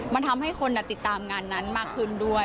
มันทำให้คนติดตามงานนั้นมากขึ้นด้วย